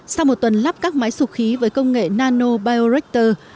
sau một tuần lắp các máy sụp khí với công nghệ nanobioreactor